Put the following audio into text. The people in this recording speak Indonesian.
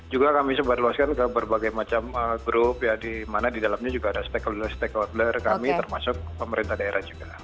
juga kami sebarluaskan ke berbagai macam grup ya di mana di dalamnya juga ada stakeholder stakeholder kami termasuk pemerintah daerah juga